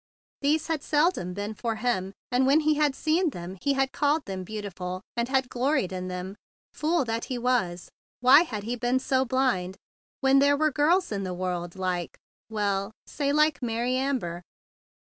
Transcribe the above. These had seldom been for him; and, when he had seen them, he had called them beautiful, had gloried in them, fool that he was! Why had he been so blind, when there were girls in the world like—well—say like Mary Amber?